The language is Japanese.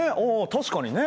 確かにね。